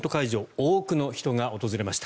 多くの人が訪れました。